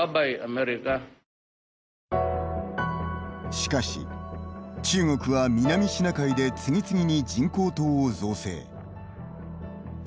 しかし、中国は南シナ海で次々に人工島を造成。